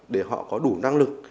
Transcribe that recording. để họ có đủ năng lực